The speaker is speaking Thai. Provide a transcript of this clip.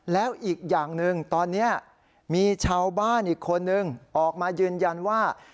แล้วอีกอย่างหนึ่งตอนนี้มีชาวบ้านอีกคนนึงออกมายืนยันว่า